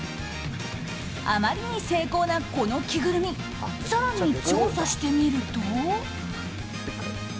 あまりに精巧なこの着ぐるみ更に調査してみると。